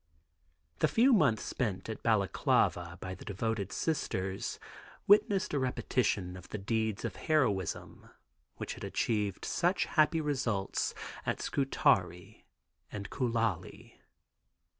The few months spent at Balaklava by the devoted Sisters witnessed a repetition of the deeds of heroism which had achieved such happy results at Scutari and Koulali.